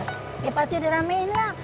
ya pasti diramein lah